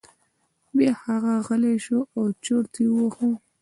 بیا هغه غلی شو او چرت یې وواهه.